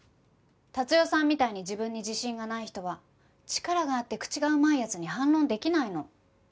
達代さんみたいに自分に自信がない人は力があって口がうまい奴に反論できないの。